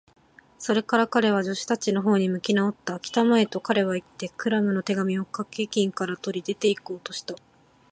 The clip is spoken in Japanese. それから彼は、助手たちのほうに向きなおった。「きたまえ！」と、彼はいって、クラムの手紙をかけ金から取り、出ていこうとした。